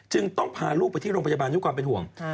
ต้องพาลูกไปที่โรงพยาบาลด้วยความเป็นห่วง